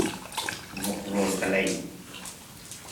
Vok rawl ka leih.